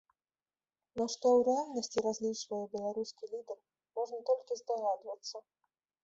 На што ў рэальнасці разлічвае беларускі лідар, можна толькі здагадвацца.